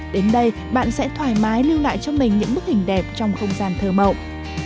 đến đây bạn sẽ thoải mái lưu lại cho mình những bức hình đẹp trong không gian thơ mộng